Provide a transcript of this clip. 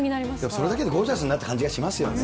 それだけでゴージャスになった感じがしますよね。